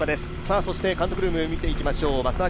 そして監督ルーム見ていきましょう。